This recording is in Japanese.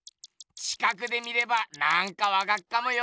近くで見ればなんかわかっかもよ！